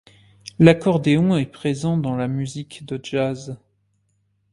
L'accordéon est présent dans la musique de jazz.